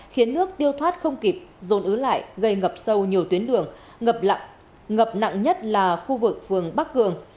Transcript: khiến nước tiêu thoát không kịp dồn ứ lại gây ngập sâu nhiều tuyến đường ngập nặng nhất là khu vực phường bắc cường